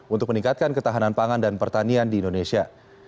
untuk meningkatkan ketahanan pangan dan pertanian di indonesia